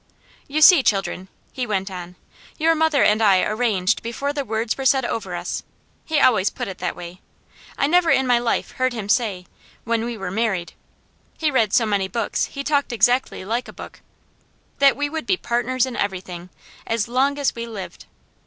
You see, children," he went on, "your mother and I arranged before the words were said over us" he always put it that way I never in my life heard him say, "when we were married"; he read so many books he talked exactly like a book "that we would be partners in everything, as long as we lived.